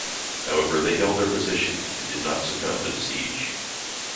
However, they held their position and did not succumb to the siege.